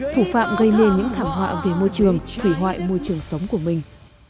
thủ phạm gây nên những thảm họa về môi trường thủy hoại môi trường sống của mình